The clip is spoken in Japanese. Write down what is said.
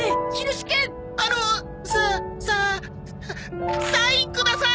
サササインください！